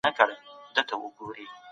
له ټوټو بشپړ بلوړ کله جوړیږي